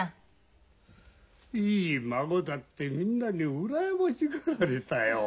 いい孫だってみんなに羨ましがられたよ。